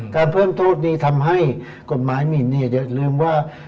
การเพิ่มโทษนี้ทำให้กฎหมายหมินเนี่ยอย่าลืมว่า